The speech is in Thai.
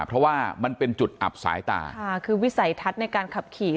เพราะว่ามันเป็นจุดอับสายตาค่ะคือวิสัยทัศน์ในการขับขี่